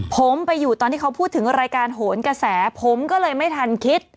ผมไปอยู่ตอนที่เขาพูดถึงรายการโหนกระแสผมก็เลยไม่ทันคิด